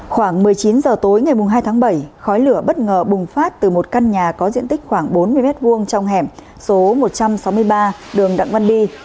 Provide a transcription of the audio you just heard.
khoảng một mươi chín h tối ngày hai tháng bảy khói lửa bất ngờ bùng phát từ một căn nhà có diện tích khoảng bốn mươi m hai trong hẻm số một trăm sáu mươi ba đường đặng văn đi